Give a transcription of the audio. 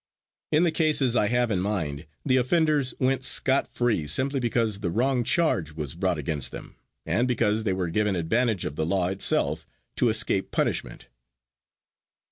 In the cases I have in mind the offenders went scott free simply because the wrong charge was brought against them, and because they were given advantage of the law itself to escape punishment.